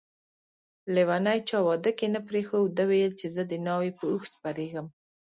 لیونی چا واده کی نه پریښود ده ويل چي زه دناوی په اوښ سپریږم